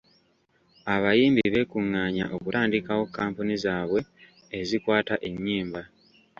Abayimbi beekungaanya okutandikawo kkampuni zaabwe ezikwata ennyimba.